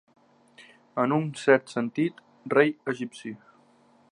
En un cert sentit, rei egipci.